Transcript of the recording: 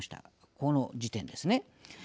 この時点ですね。